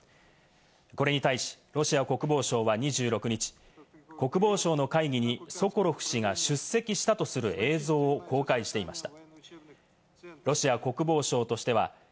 これに対し、ロシア国防省は２６日、国防省の会議にソコロフ氏が出席したとする映像を公開していました。